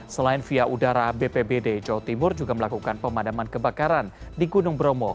selain via udara bpbd jawa timur juga melakukan pemadaman kebakaran di gunung bromo